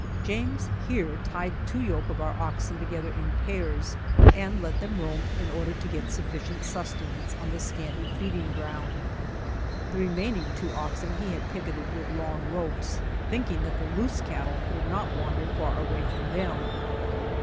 James here tied two yoke of our oxen together in pairs and let them roam in order to get sufficient sustenance on the scanty feed ing groind. The remaining , two oxen he had picketed with long ropes, thinking that the loose cattle would not wander far away from them.